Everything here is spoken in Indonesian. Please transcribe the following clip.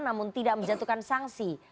namun tidak menjatuhkan sanksi